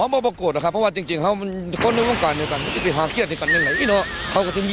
เพราะว่าพี่น้องสนใจหลาย